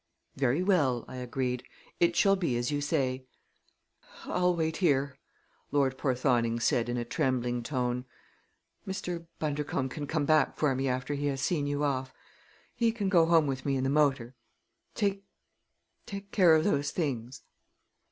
"Very well," I agreed. "It shall be as you say." "I'll wait here," Lord Porthoning said in a trembling tone. "Mr. Bundercombe can come back for me after he has seen you off. He can go home with me in the motor. Take take care of those things."